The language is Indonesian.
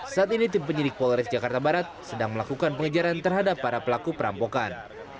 saat ini tim penyidik polres jakarta barat sedang melakukan pengejaran terhadap para pelaku perampokan